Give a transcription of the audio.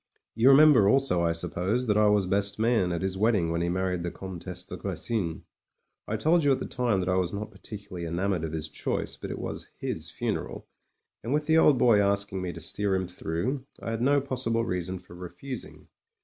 You remember also, I suppose, that I was best man at his wedding when he married the Comtesse de Grecin. I told you at the time that I was not particularly enamoured of his choice, but it was his funeral; and with the old boy asking me to steer him through, I had no possible reason for refus ing.